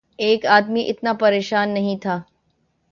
ایک آدمی اتنا پریشان نہیں تھا۔